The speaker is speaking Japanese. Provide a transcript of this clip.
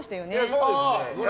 そうですね。